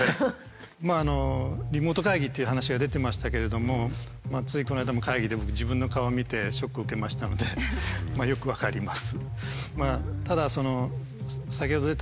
リモート会議っていう話が出てましたけれどもついこの間も会議で僕自分の顔を見てショックを受けましたのでよく分かります。